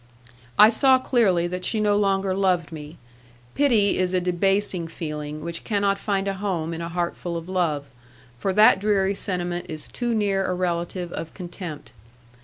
I saw clearly that she no longer loved me; pity is a debasing feeling which cannot find a home in a heart full of love, for that dreary sentiment is too near a relative of contempt.